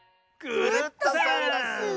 クルットさんダス！